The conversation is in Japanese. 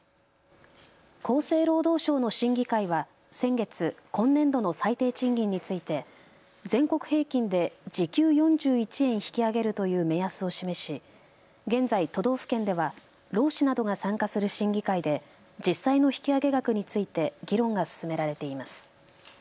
厚生労働省の審議会は先月、今年度の最低賃金について全国平均で時給４１円引き上げるという目安を示し現在、都道府県では労使などが参加する審議会で実際の引き上げ額について議論が進められています。